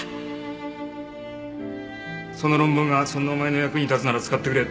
その論文がそんなお前の役に立つなら使ってくれ。